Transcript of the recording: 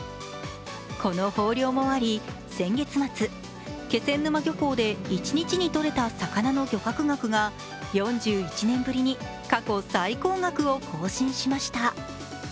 この豊漁もあり、先月末、気仙沼漁港で一日にとれた魚の漁獲額が４１年ぶりに過去最高額を更新しました。